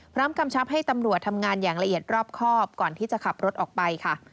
กำชับให้ตำรวจทำงานอย่างละเอียดรอบครอบก่อนที่จะขับรถออกไปค่ะ